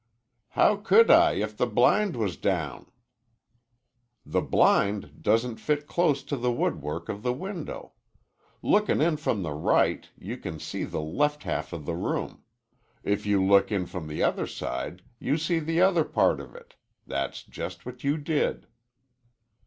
"How could I if the blind was down?" "The blind doesn't fit close to the woodwork of the window. Lookin' in from the right, you can see the left half of the room. If you look in from the other side, you see the other part of it. That's just what you did."